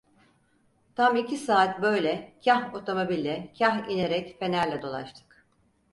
Tam iki saat böyle kah otomobille, kah inerek fenerle dolaştık.